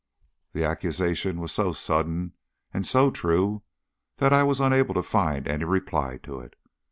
The accusation was so sudden and so true that I was unable to find any reply to it.